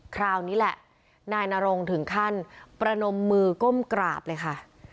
คราวนี้แหละนายนรงถึงขั้นประนมมือก้มกราบเลยค่ะ